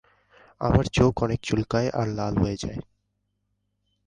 আমার চোখ অনেক চুলকায় আর লাল হয়ে যায়।